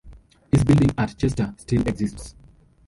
His building at Chester still exists.